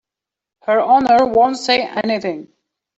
Her Honor won't say anything.